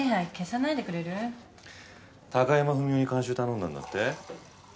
高山文夫に監修頼んだんだって？